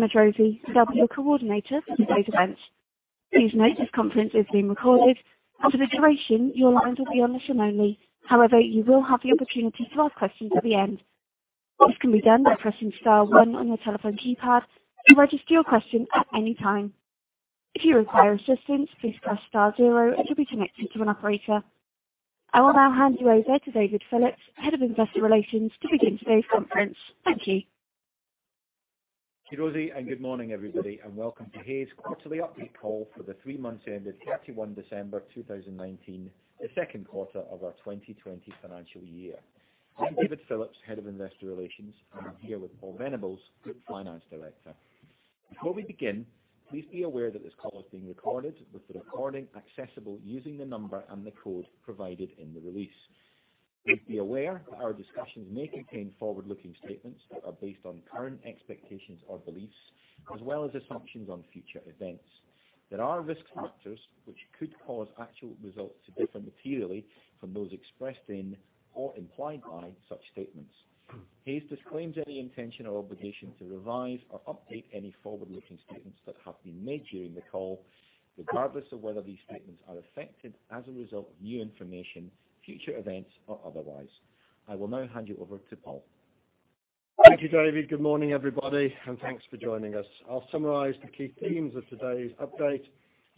My name is Rosie. I'll be your coordinator for today's event. Please note, this conference is being recorded, and for the duration, your line will be on listen only. However, you will have the opportunity to ask questions at the end. This can be done by pressing star 1 on your telephone keypad to register your question at any time. If you require assistance, please press star 0 and you'll be connected to an operator. I will now hand you over to David Phillips, Head of Investor Relations, to begin today's conference. Thank you. Thank you, Rosie, and good morning, everybody, and welcome to Hays quarterly update call for the three months ending 31 December 2019, the second quarter of our 2020 financial year. I'm David Phillips, Head of Investor Relations, and I'm here with Paul Venables, Group Finance Director. Before we begin, please be aware that this call is being recorded, with the recording accessible using the number and the code provided in the release. Please be aware that our discussions may contain forward-looking statements that are based on current expectations or beliefs, as well as assumptions on future events. There are risk factors which could cause actual results to differ materially from those expressed in or implied by such statements. Hays disclaims any intention or obligation to revise or update any forward-looking statements that have been made during the call, regardless of whether these statements are affected as a result of new information, future events, or otherwise. I will now hand you over to Paul. Thank you, David. Good morning, everybody, and thanks for joining us. I'll summarize the key themes of today's update,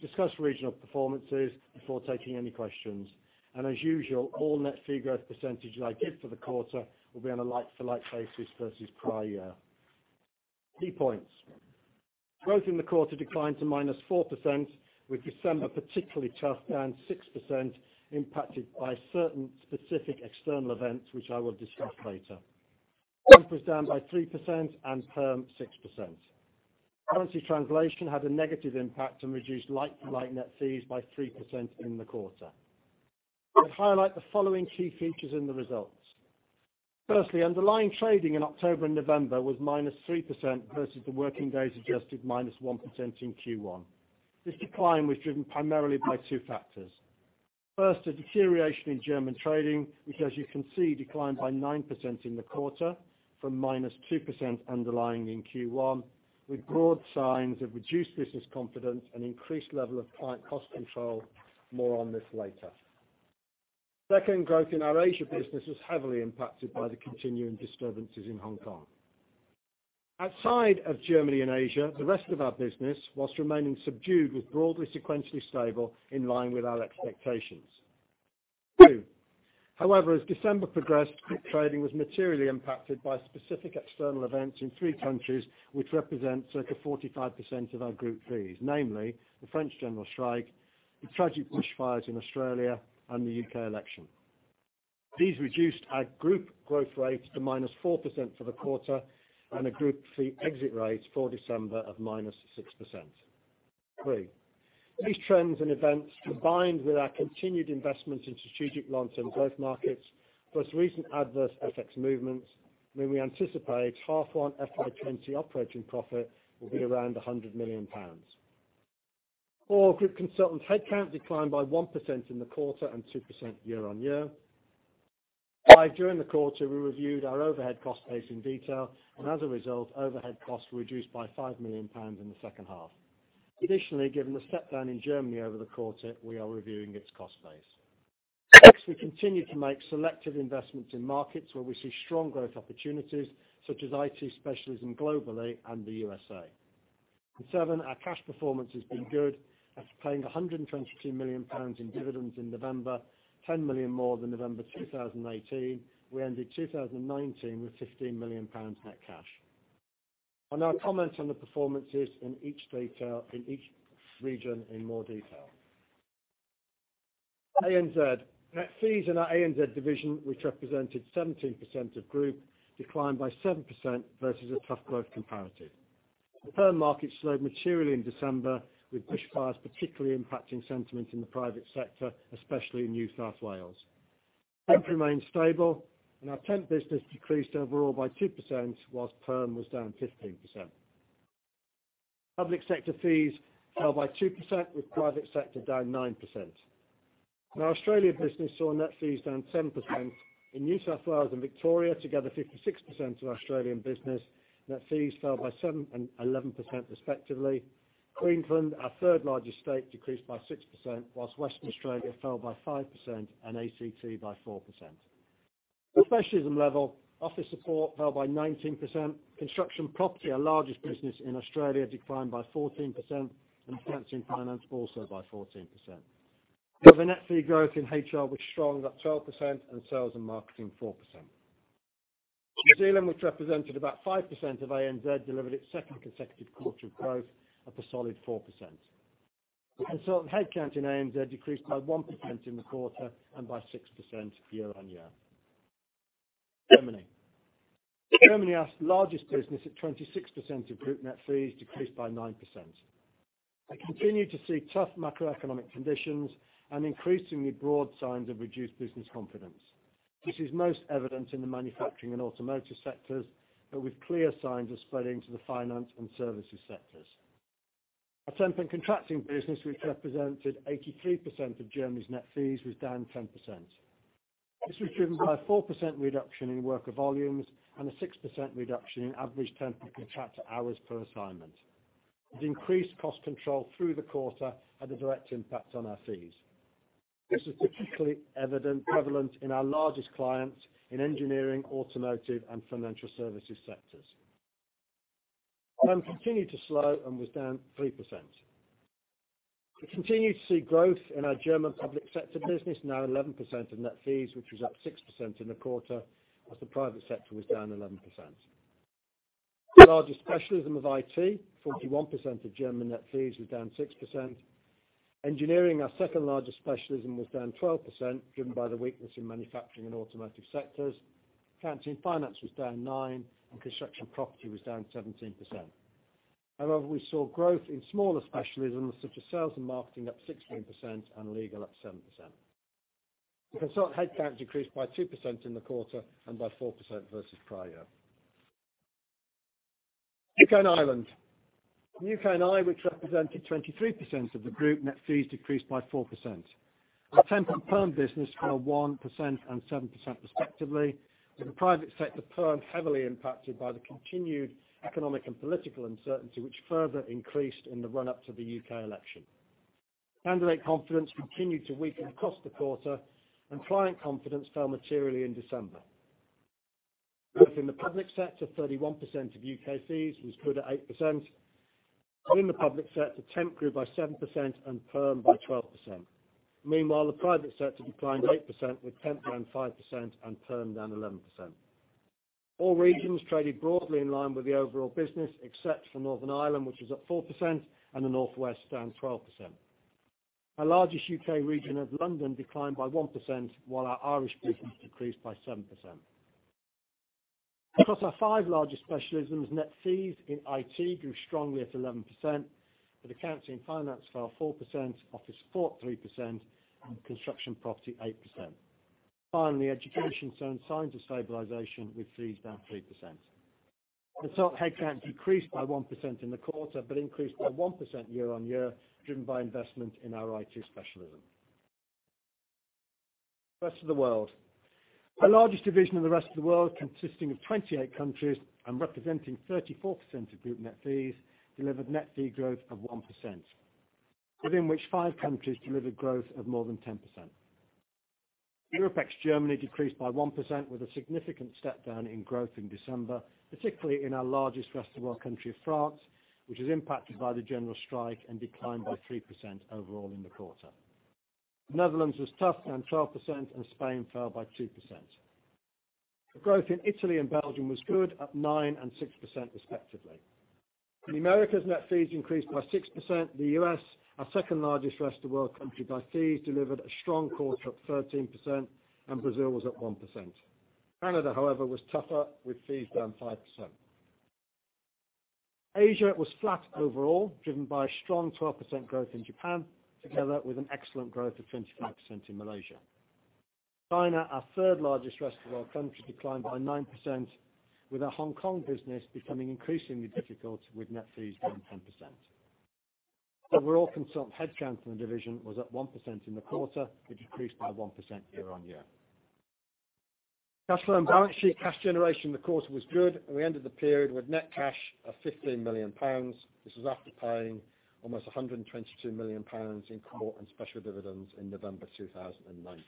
discuss regional performances before taking any questions. As usual, all net fee growth percentage I give for the quarter will be on a like-for-like basis versus prior year. Key points. Growth in the quarter declined to -4%, with December particularly tough, down -6%, impacted by certain specific external events, which I will discuss later. Temp was down by 3% and perm 6%. Currency translation had a negative impact and reduced like-for-like net fees by 3% in the quarter. I would highlight the following key features in the results. Firstly, underlying trading in October and November was -3% versus the working day-suggested -1% in Q1. This decline was driven primarily by two factors. First, a deterioration in German trading, which as you can see, declined by 9% in the quarter from -2% underlying in Q1, with broad signs of reduced business confidence and increased level of client cost control. More on this later. Second, growth in our Asia business was heavily impacted by the continuing disturbances in Hong Kong. Outside of Germany and Asia, the rest of our business, whilst remaining subdued, was broadly sequentially stable, in line with our expectations. Two, however, as December progressed, group trading was materially impacted by specific external events in three countries which represent circa 45% of our group fees, namely the French general strike, the tragic bushfires in Australia, and the U.K. election. These reduced our group growth rate to -4% for the quarter and a group fee exit rate for December of -6%. Three, these trends and events, combined with our continued investments in strategic launch and growth markets, plus recent adverse FX movements, mean we anticipate half one FY 2020 operating profit will be around 100 million pounds. Four, group consultants headcount declined by 1% in the quarter and 2% year-on-year. Five, during the quarter, we reviewed our overhead cost base in detail, and as a result, overhead costs were reduced by 5 million pounds in the second half. Additionally, given the step down in Germany over the quarter, we are reviewing its cost base. Next, we continue to make selective investments in markets where we see strong growth opportunities, such as IT specialism globally and the USA. Seven, our cash performance has been good. After paying 122 million pounds in dividends in November, 10 million more than November 2018, we ended 2019 with 15 million pounds net cash. I'll now comment on the performances in each region in more detail. ANZ. Net fees in our ANZ division, which represented 17% of group, declined by 7% versus a tough growth comparative. The perm market slowed materially in December, with bushfires particularly impacting sentiment in the private sector, especially in New South Wales. Temp remained stable, and our temp business decreased overall by 2% whilst perm was down 15%. Public sector fees fell by 2%, with private sector down 9%. Our Australian business saw net fees down 10%. In New South Wales and Victoria, together 56% of Australian business, net fees fell by 7% and 11% respectively. Queensland, our third largest state, decreased by 6%, whilst Western Australia fell by 5% and ACT by 4%. At specialism level, Office Support fell by 19%. Construction & Property, our largest business in Australia, declined by 14%, and Finance also by 14%. However, net fee growth in HR was strong, up 12%, and Sales and Marketing, 4%. New Zealand, which represented about 5% of ANZ, delivered its second consecutive quarter of growth of a solid 4%. Consultant headcount in ANZ decreased by 1% in the quarter and by 6% year-on-year. Germany. Germany, our largest business at 26% of group net fees, decreased by 9%. We continue to see tough macroeconomic conditions and increasingly broad signs of reduced business confidence. This is most evident in the manufacturing and automotive sectors, but with clear signs of spreading to the finance and services sectors. Our temp and contracting business, which represented 83% of Germany's net fees, was down 10%. This was driven by a 4% reduction in worker volumes and a 6% reduction in average temp and contract hours per assignment. The increased cost control through the quarter had a direct impact on our fees. This was particularly evident, prevalent in our largest clients in Engineering, automotive, and financial services sectors. Volume continued to slow and was down 3%. We continued to see growth in our German public sector business, now 11% of net fees, which was up 6% in the quarter as the private sector was down 11%. Our largest specialism of IT, 41% of German net fees, was down 6%. Engineering, our second-largest specialism, was down 12%, driven by the weakness in manufacturing and automotive sectors. Accountancy & Finance was down nine, and Construction & Property was down 17%. However, we saw growth in smaller specialisms such as Sales and Marketing, up 16%, and Legal, up 7%. Consult headcount decreased by 2% in the quarter and by 4% versus prior year. UK and Ireland. UK&I, which represented 23% of the group net fees, decreased by 4%. Our temp and perm business fell 1% and 7% respectively, with the private sector perm heavily impacted by the continued economic and political uncertainty, which further increased in the run-up to the UK election. Candidate confidence continued to weaken across the quarter, and client confidence fell materially in December. Growth in the public sector, 31% of UK fees, was good at 8%. Within the public sector, temp grew by 7% and perm by 12%. Meanwhile, the private sector declined 8%, with temp down 5% and perm down 11%. All regions traded broadly in line with the overall business, except for Northern Ireland, which was up 4%, and the Northwest, down 12%. Our largest U.K. region of London declined by 1%, while our Irish business decreased by 7%. Across our five largest specialisms, net fees in IT grew strongly at 11%, but Accountancy & Finance fell 4%, Office Support 3%, and Construction & Property 8%. Finally, Education shown signs of stabilization with fees down 3%. Consult headcount decreased by 1% in the quarter, but increased by 1% year-on-year, driven by investment in our IT specialism. Rest of the World. Our largest division of the Rest of the World, consisting of 28 countries and representing 34% of group net fees, delivered net fee growth of 1%, within which five countries delivered growth of more than 10%. Europe ex Germany decreased by 1% with a significant step down in growth in December, particularly in our largest Rest of the World country of France, which was impacted by the general strike and declined by 3% overall in the quarter. The Netherlands was tough, down 12%, and Spain fell by 2%. The growth in Italy and Belgium was good, up 9% and 6% respectively. In the Americas, net fees increased by 6%. The U.S., our second-largest Rest of the World country by fees, delivered a strong quarter, up 13%, and Brazil was up 1%. Canada, however, was tougher with fees down 5%. Asia was flat overall, driven by a strong 12% growth in Japan, together with an excellent growth of 25% in Malaysia. China, our third-largest Rest of the World country, declined by 9%, with our Hong Kong business becoming increasingly difficult, with net fees down 10%. Overall consult headcount in the division was up 1% in the quarter, which increased by 1% year-on-year. Cash flow and balance sheet. Cash generation in the quarter was good, and we ended the period with net cash of 15 million pounds. This was after paying almost 122 million pounds in court and special dividends in November 2019.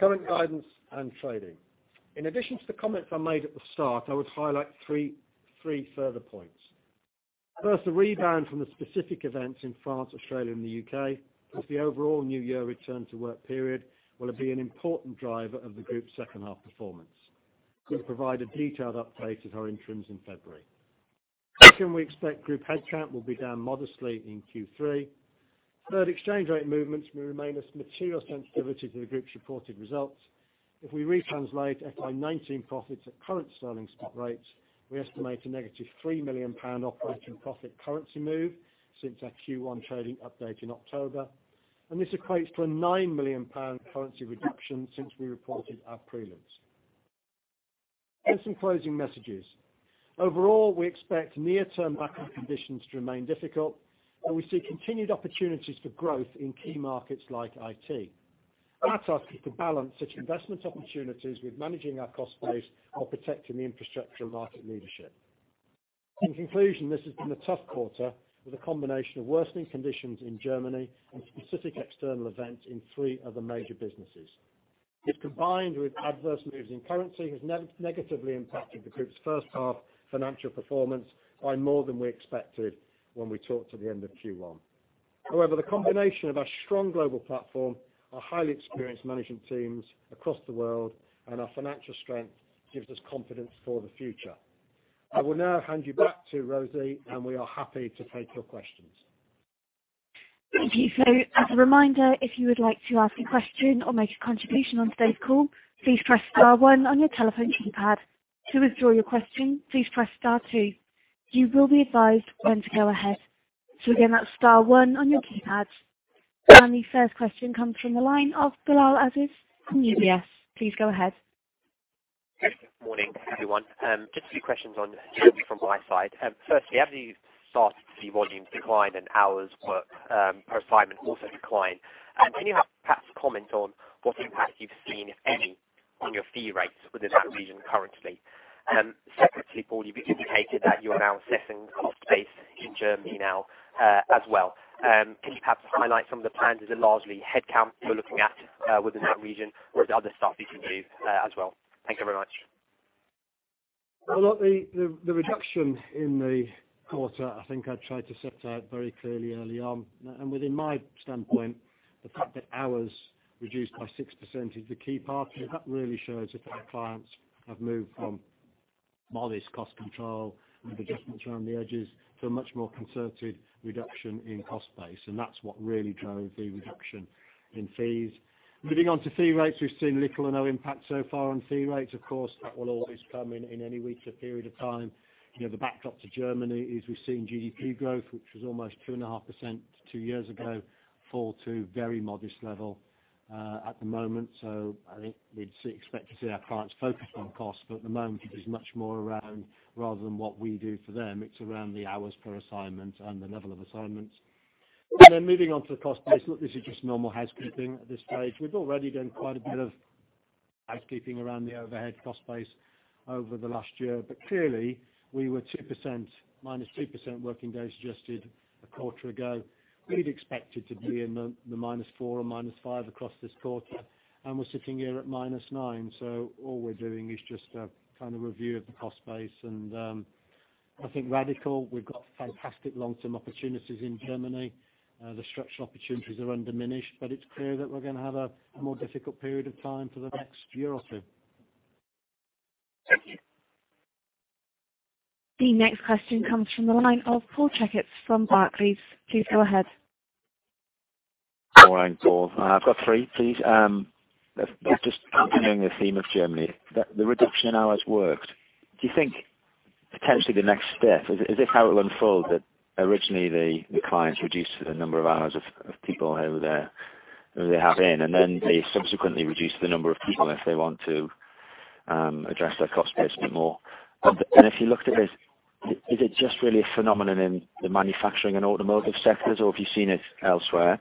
Current guidance and trading. First, the rebound from the specific events in France, Australia, and the U.K. as the overall new year return-to-work period will be an important driver of the group's second half performance. We'll provide a detailed update at our interims in February. Second, we expect group headcount will be down modestly in Q3. Third, exchange rate movements may remain a material sensitivity to the group's reported results. If we retranslate FY 19 profits at current sterling spot rates, we estimate a negative 3 million pound operating profit currency move since our Q1 trading update in October, and this equates to a 9 million pound currency reduction since we reported our prelims. Here are some closing messages. Overall, we expect near-term macro conditions to remain difficult, and we see continued opportunities for growth in key markets like IT. Our task is to balance such investment opportunities with managing our cost base while protecting the infrastructure and market leadership. In conclusion, this has been a tough quarter with a combination of worsening conditions in Germany and specific external events in three other major businesses. This, combined with adverse moves in currency, has negatively impacted the group's first half financial performance by more than we expected when we talked at the end of Q1. The combination of our strong global platform, our highly experienced management teams across the world, and our financial strength gives us confidence for the future. I will now hand you back to Rosie, and we are happy to take your questions. Thank you. As a reminder, if you would like to ask a question or make a contribution on today's call, please press star one on your telephone keypad. To withdraw your question, please press star two. You will be advised when to go ahead. Again, that's star one on your keypad. The first question comes from the line of Bilal Aziz from UBS. Please go ahead. Morning, everyone. Just a few questions on Germany from my side. Firstly, have you started to see volumes decline and hours worked per assignment also decline? Can you perhaps comment on what impact you've seen, if any, on your fee rates within that region currently? Secondly, Paul, you've indicated that you're now assessing cost base in Germany now as well. Can you perhaps highlight some of the plans? Is it largely headcount you're looking at within that region or is there other stuff you can do as well? Thank you very much. The reduction in the quarter, I think I tried to set out very clearly early on, and within my standpoint, the fact that hours reduced by 6% is the key part. That really shows that our clients have moved from modest cost control and adjustments around the edges to a much more concerted reduction in cost base, and that's what really drove the reduction in fees. Moving on to fee rates, we've seen little or no impact so far on fee rates. Of course, that will always come in any weaker period of time. The backdrop to Germany is we've seen GDP growth, which was almost 2.5% two years ago, fall to very modest level at the moment. I think we'd expect to see our clients focused on cost, but at the moment it is much more around, rather than what we do for them, it's around the hours per assignment and the level of assignments. Moving on to the cost base. Look, this is just normal housekeeping at this stage. We've already done quite a bit of housekeeping around the overhead cost base over the last year, but clearly we were -2% working days adjusted a quarter ago. We'd expected to be in the -4% or -5% across this quarter, and we're sitting here at -9%. All we're doing is just a review of the cost base and nothing radical. We've got fantastic long-term opportunities in Germany. The structural opportunities are undiminished, but it's clear that we're going to have a more difficult period of time for the next year or two. Thank you. The next question comes from the line of Paul Checketts from Barclays. Please go ahead. Morning, Paul. I've got three, please. Just continuing the theme of Germany, the reduction in hours worked, do you think potentially the next step, is this how it will unfold? That originally the clients reduced the number of hours of people who they have in, and then they subsequently reduce the number of people if they want to address their cost base a bit more. If you looked at this, is it just really a phenomenon in the manufacturing and automotive sectors, or have you seen it elsewhere?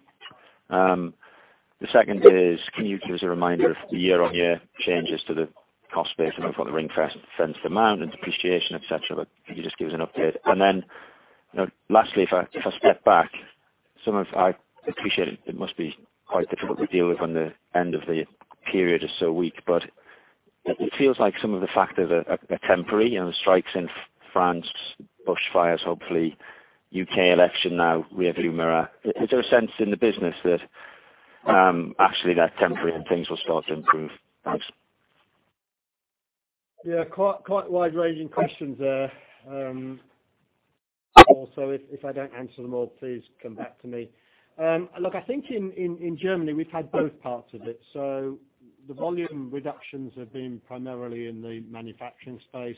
The second is, can you give us a reminder of the year-on-year changes to the cost base? I know you've got the ring-fenced amount and depreciation, et cetera, but can you just give us an update? Lastly, if I step back, I appreciate it must be quite difficult to deal with when the end of the period is so weak, but it feels like some of the factors are temporary. The strikes in France, bush fires hopefully, U.K. election now, we have [Lumira]. Is there a sense in the business that actually they're temporary and things will start to improve? Thanks. Yeah, quite wide-ranging questions there, Paul. If I don't answer them all, please come back to me. Look, I think in Germany we've had both parts of it. The volume reductions have been primarily in the manufacturing space.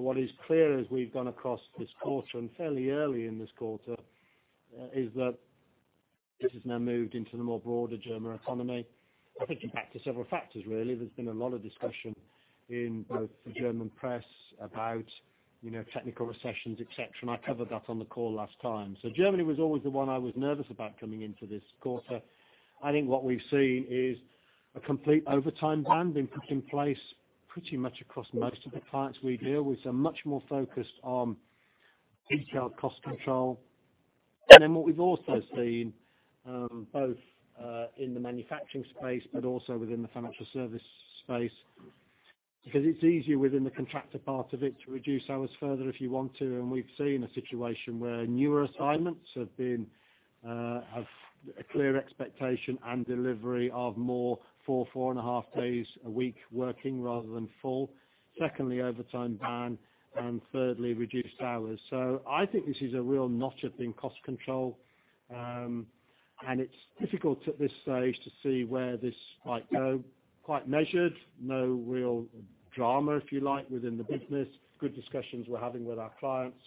What is clear as we've gone across this quarter and fairly early in this quarter, is that this has now moved into the more broader German economy. I think in back to several factors, really. There's been a lot of discussion in both the German press about technical recessions, et cetera, and I covered that on the call last time. Germany was always the one I was nervous about coming into this quarter. I think what we've seen is a complete overtime ban been put in place pretty much across most of the clients we deal with. Much more focused on detailed cost control. What we've also seen, both in the manufacturing space but also within the financial service space, because it's easier within the contractor part of it to reduce hours further if you want to, we've seen a situation where newer assignments have a clear expectation and delivery of more four and a half days a week working rather than full. Secondly, overtime ban, and thirdly, reduced hours. I think this is a real notch up in cost control, and it's difficult at this stage to see where this might go. Quite measured, no real drama, if you like, within the business. Good discussions we're having with our clients.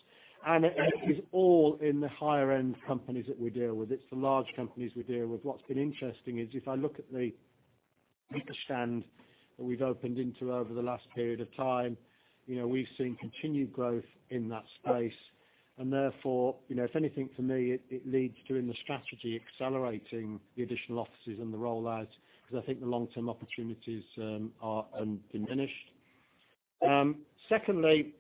It is all in the higher-end companies that we deal with. It's the large companies we deal with. What's been interesting is if I look at the Mittelstand that we've opened into over the last period of time, we've seen continued growth in that space. Therefore, if anything for me, it leads to in the strategy accelerating the additional offices and the roll-outs because I think the long-term opportunities are undiminished. Secondly,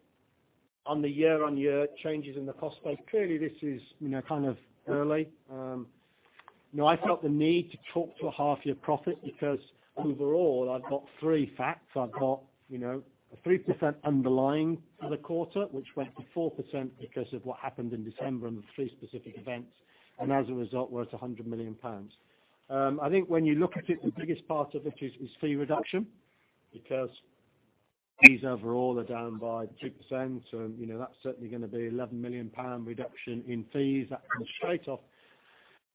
on the year-on-year changes in the cost base, clearly this is kind of early. I felt the need to talk to a half-year profit because overall I've got three facts. I've got a 3% underlying for the quarter, which went to 4% because of what happened in December and the three specific events. As a result, we're at 100 million pounds. I think when you look at it, the biggest part of it is fee reduction because fees overall are down by 2%, and that's certainly going to be 11 million pound reduction in fees. That comes straight off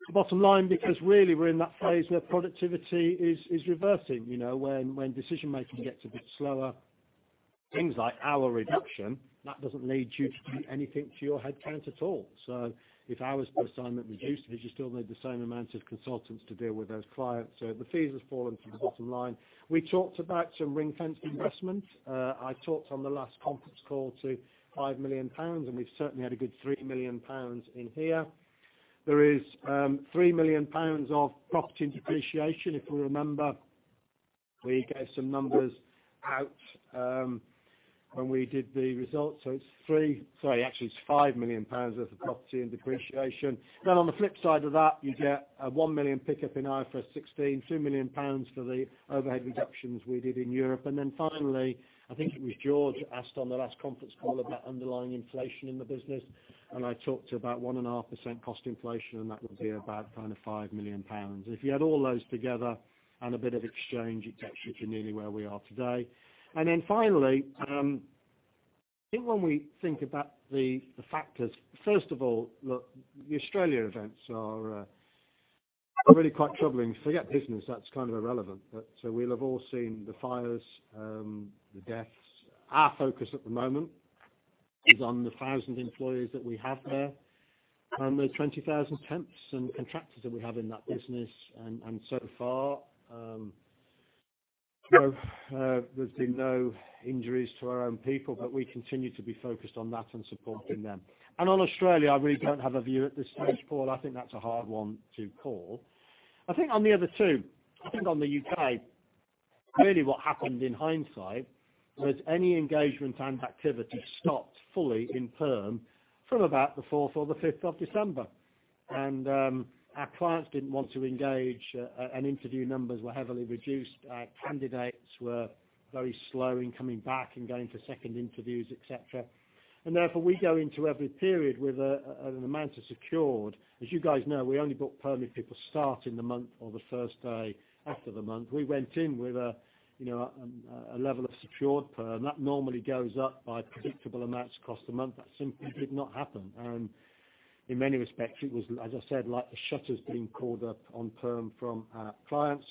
the bottom line because really we're in that phase where productivity is reversing, when decision-making gets a bit slower. Things like hour reduction, that doesn't lead you to do anything to your headcount at all. If hours per assignment reduces, you still need the same amount of consultants to deal with those clients. The fees have fallen to the bottom line. We talked about some ring-fence investment. I talked on the last conference call to 5 million pounds, We've certainly had a good 3 million pounds in here. There is 3 million pounds of property and depreciation. If you remember, we gave some numbers out when we did the results. Sorry, actually, it's 5 million pounds worth of property and depreciation. On the flip side of that, you get a 1 million pickup in IFRS 16, 2 million pounds for the overhead reductions we did in Europe. Finally, I think it was George asked on the last conference call about underlying inflation in the business, and I talked about 1.5% cost inflation, and that would be about 5 million pounds. If you add all those together and a bit of exchange, it takes you to nearly where we are today. Finally, I think when we think about the factors, first of all, look, the Australia events are really quite troubling. Forget business, that's kind of irrelevant. We'll have all seen the fires, the deaths. Our focus at the moment is on the 1,000 employees that we have there and the 20,000 temps and contractors that we have in that business. So far, there's been no injuries to our own people, but we continue to be focused on that and supporting them. On Australia, I really don't have a view at this stage, Paul. I think that's a hard one to call. I think on the other two, I think on the U.K., really what happened in hindsight was any engagement and activity stopped fully in perm from about the fourth or the fifth of December. Our clients didn't want to engage, and interview numbers were heavily reduced. Candidates were very slow in coming back and going to second interviews, et cetera. Therefore, we go into every period with an amount of secured. As you guys know, we only book permie people starting the month or the first day after the month. We went in with a level of secured perm. That normally goes up by predictable amounts across the month. That simply did not happen. In many respects, it was, as I said, like the shutters being called up on perm from our clients.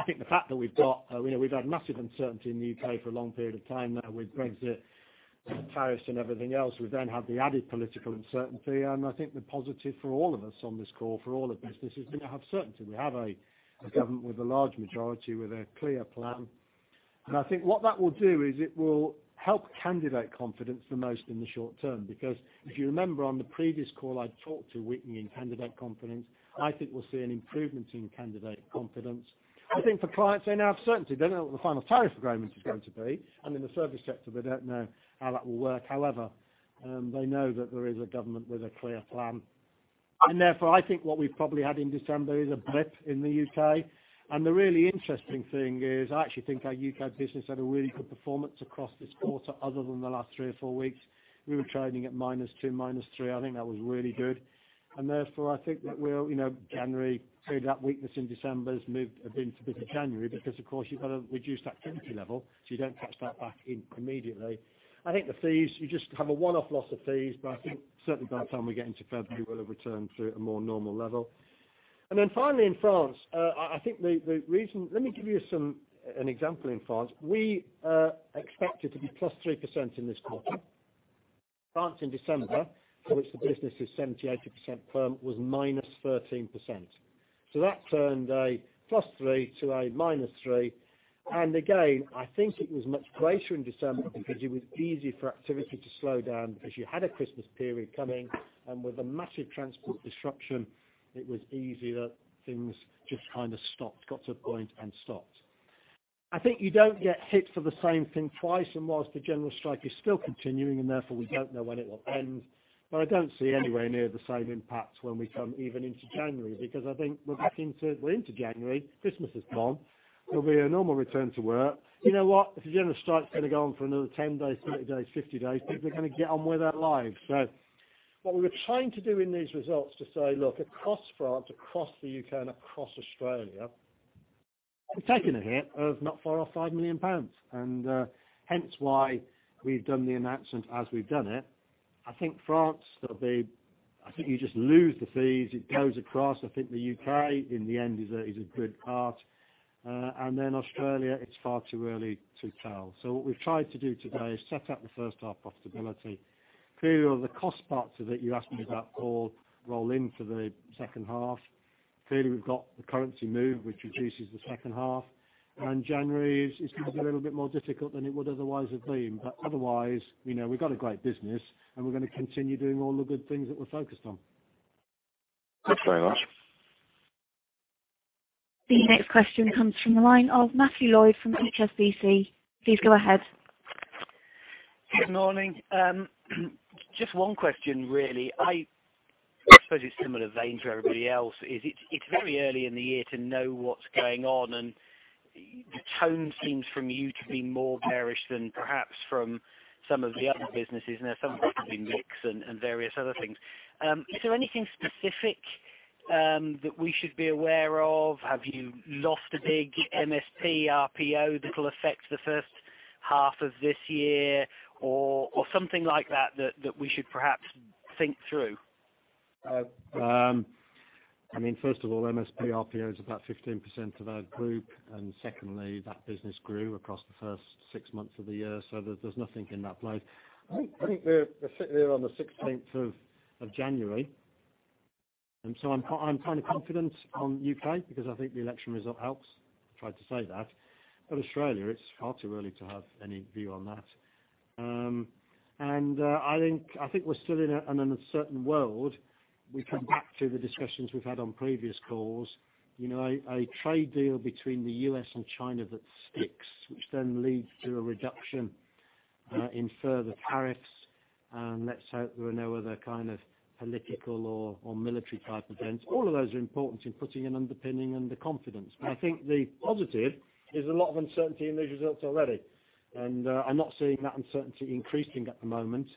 I think the fact that we've had massive uncertainty in the U.K. for a long period of time now with Brexit, tariffs, and everything else. We then have the added political uncertainty, and I think the positive for all of us on this call, for all of us, is we now have certainty. We have a government with a large majority, with a clear plan. I think what that will do is it will help candidate confidence the most in the short term because if you remember on the previous call, I talked to weakness in candidate confidence. I think we'll see an improvement in candidate confidence. I think for clients, they now have certainty. They don't know what the final tariff agreement is going to be, and in the service sector, they don't know how that will work. However, they know that there is a government with a clear plan. Therefore, I think what we've probably had in December is a blip in the U.K. The really interesting thing is I actually think our U.K. business had a really good performance across this quarter other than the last three or four weeks. We were trading at minus two, minus three. I think that was really good. Therefore, I think that January, clearly that weakness in December has moved into a bit of January because, of course, you've got a reduced activity level, so you don't catch that back immediately. I think the fees, you just have a one-off loss of fees, but I think certainly by the time we get into February, we'll have returned to a more normal level. Finally, in France, let me give you an example in France. We expected to be plus 3% in this quarter. France in December, for which the business is 78% perm, was minus 13%. That turned a plus three to a minus three. Again, I think it was much greater in December because it was easy for activity to slow down because you had a Christmas period coming, and with a massive transport disruption, it was easy that things just kind of stopped, got to a point, and stopped. I think you don't get hit for the same thing twice. Whilst the general strike is still continuing, we don't know when it will end, I don't see anywhere near the same impact when we come even into January because I think we're into January. Christmas is gone. There'll be a normal return to work. You know what? If the general strike is going to go on for another 10 days, 30 days, 50 days, people are going to get on with their lives. What we were trying to do in these results to say, look, across France, across the U.K., and across Australia, we've taken a hit of not far off 5 million pounds. Hence why we've done the announcement as we've done it. I think France, I think you just lose the fees. It goes across. I think the U.K., in the end, is a good part. Then Australia, it's far too early to tell. What we've tried to do today is set up the first half profitability. Clearly, all the cost parts of it, you asked me about Paul, roll in for the second half. Clearly, we've got the currency move, which reduces the second half. January is going to be a little bit more difficult than it would otherwise have been. Otherwise, we've got a great business, and we're going to continue doing all the good things that we're focused on. Thanks very much. The next question comes from the line of Matthew Lloyd from HSBC. Please go ahead. Good morning. Just one question, really. I suppose it's similar vein to everybody else is it's very early in the year to know what's going on, and the tone seems from you to be more bearish than perhaps from some of the other businesses, and there are some probably mix and various other things. Is there anything specific that we should be aware of? Have you lost a big MSP RPO that'll affect the first half of this year or something like that that we should perhaps think through? I mean, first of all, MSP RPO is about 15% of our group, and secondly, that business grew across the first six months of the year. There's nothing in that load. I think we sit there on the 16th of January. I'm kind of confident on UK because I think the election result helps, tried to say that. Australia, it's far too early to have any view on that. I think we're still in an uncertain world. We come back to the discussions we've had on previous calls. A trade deal between the U.S. and China that sticks, which then leads to a reduction in further tariffs, and let's hope there are no other kind of political or military type events. All of those are important in putting an underpinning under confidence. I think the positive is a lot of uncertainty in these results already, and I'm not seeing that uncertainty increasing at the moment.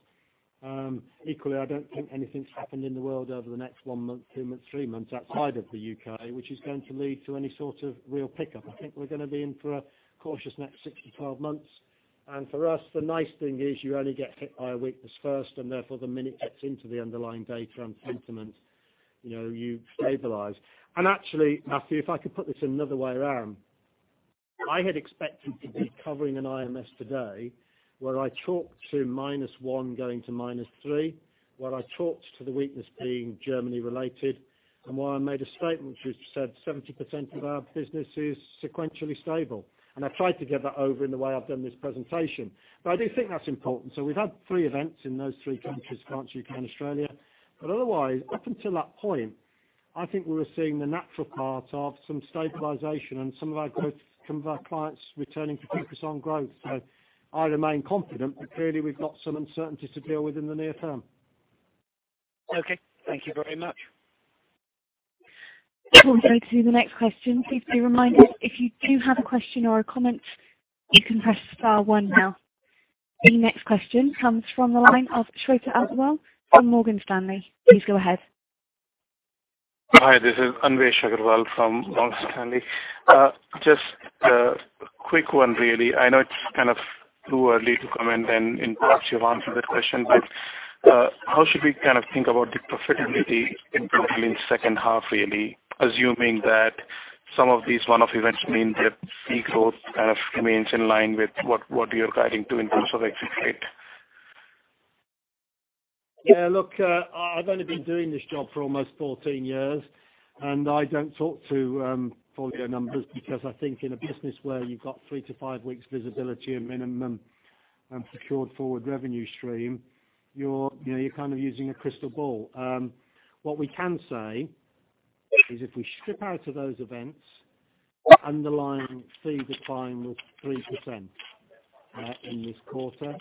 Equally, I don't think anything's happened in the world over the next one month, two months, three months outside of the U.K., which is going to lead to any sort of real pickup. I think we're going to be in for a cautious next six to 12 months. For us, the nice thing is you only get hit by a weakness first, and therefore, the minute it gets into the underlying data and sentiment, you stabilize. Actually, Matthew, if I could put this another way around. I had expected to be covering an IMS today where I talked to -1 going to -3, where I talked to the weakness being Germany related, and where I made a statement which said 70% of our business is sequentially stable. I tried to get that over in the way I've done this presentation. I do think that's important. We've had three events in those three countries, France, U.K., and Australia. Otherwise, up until that point, I think we were seeing the natural part of some stabilization and some of our clients returning to focus on growth. I remain confident, but clearly we've got some uncertainty to deal with in the near term. Okay. Thank you very much. We'll go to the next question. Please be reminded, if you do have a question or a comment, you can press star one now. The next question comes from the line of Morgan Stanley. Please go ahead. Hi, this is Anvesh Agrawal from Morgan Stanley. Just a quick one, really. I know it's kind of too early to comment and perhaps you've answered the question, but how should we kind of think about the profitability in probably in second half, really, assuming that some of these one-off events mean that fee growth kind of remains in line with what you're guiding to in terms of execute? Look, I've only been doing this job for almost 14 years, I don't talk to full year numbers because I think in a business where you've got three to five weeks visibility at minimum and secured forward revenue stream, you're kind of using a crystal ball. What we can say is if we strip out of those events, underlying fee decline was 3% in this quarter.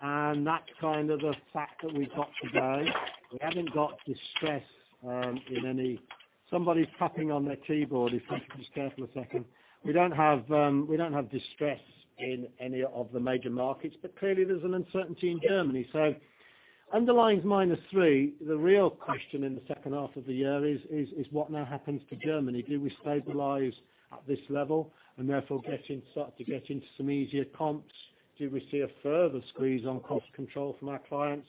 That's kind of the fact that we've got today. We haven't got distress in any somebody's tapping on their keyboard if you could just bear for a second. We don't have distress in any of the major markets, clearly there's an uncertainty in Germany. Underlying minus three, the real question in the second half of the year is what now happens to Germany? Do we stabilize at this level and therefore start to get into some easier comps? Do we see a further squeeze on cost control from our clients?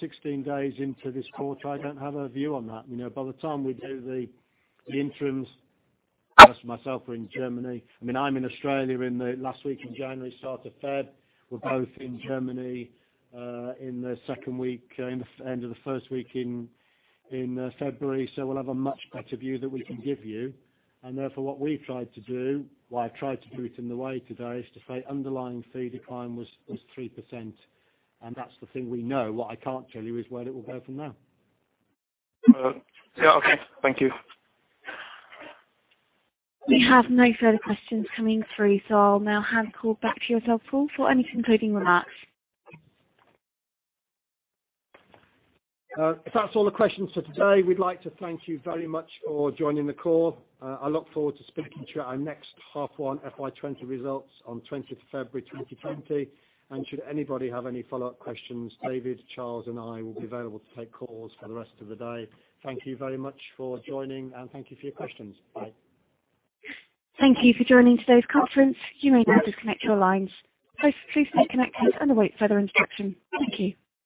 16 days into this quarter, I don't have a view on that. By the time we do the interims, myself we're in Germany. I mean, I'm in Australia in the last week of January, start of February. We're both in Germany in the second week, end of the first week in February. We'll have a much better view that we can give you. Therefore, what we've tried to do, what I've tried to do it in the way today is to say underlying fee decline was 3%, and that's the thing we know. What I can't tell you is where it will go from there. Yeah. Okay. Thank you. We have no further questions coming through, so I'll now hand call back to yourself, Paul, for any concluding remarks. If that's all the questions for today, we'd like to thank you very much for joining the call. I look forward to speaking to you at our next half one FY20 results on 20th February 2020. Should anybody have any follow-up questions, David, Charles, and I will be available to take calls for the rest of the day. Thank you very much for joining, and thank you for your questions. Bye. Thank you for joining today's conference. You may now disconnect your lines. Please stay connected and await further instruction. Thank you.